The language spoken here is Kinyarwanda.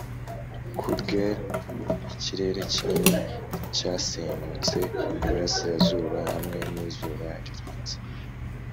cudgel ikirere kinini, cyasenyutse iburasirazuba, hamwe n'izuba rirenze,